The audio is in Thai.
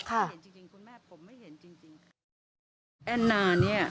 ค่ะ